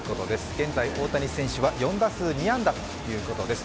現在、大谷選手は４打数２安打ということです。